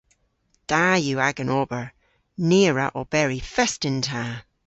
Da yw agan ober. Ni a wra oberi fest yn ta!